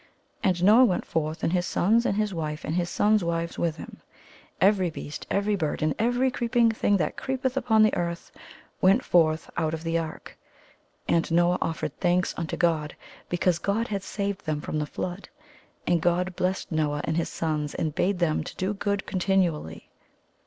*' And Noah went forth, and his sons, and his wife, and his sons' wives with him. Every beast, every bird, and every creeping thing that creepeth upon the earth went forth out of the ark. And Noah offered thanks unto God because God had saved them from the flood. And God blessed Noah and his sons and bade them do good con tinually.